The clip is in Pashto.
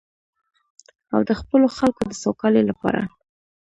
او د خپلو خلکو د سوکالۍ لپاره.